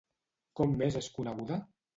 Com més és coneguda?